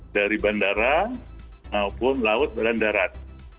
dari bandara maupun laut badan darat